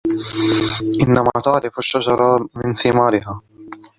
إنما تعرف الشجرة من ثمارها.